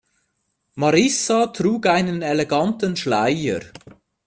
Marissa trug einen eleganten Schleier.